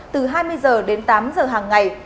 từ hai mươi h đến tám h hàng ngày